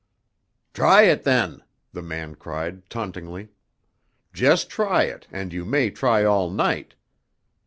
"Try it, then!" the man cried, tauntingly. "Just try it and you may try all night.